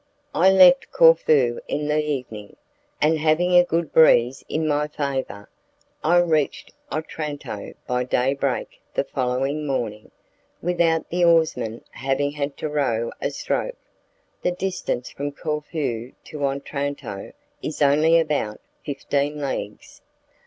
I left Corfu in the evening, and having a good breeze in my favour, I reached Otranto by day break the following morning, without the oarsmen having had to row a stroke. The distance from Corfu to Otranto is only about fifteen leagues.